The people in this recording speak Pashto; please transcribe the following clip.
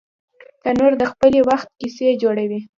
تنور د پخلي وخت کیسې جوړوي